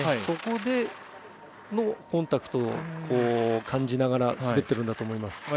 そこでのコンタクトを感じながら滑っているんだと思います。